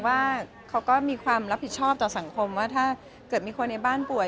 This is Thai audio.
ว่าเขาก็มีความรับผิดชอบต่อสังคมว่าถ้าเกิดมีคนในบ้านป่วย